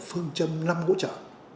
phương châm năm hỗ trợ